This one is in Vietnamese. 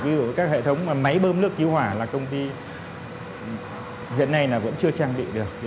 ví dụ các hệ thống máy bơm nước cứu hỏa là công ty hiện nay là vẫn chưa trang bị được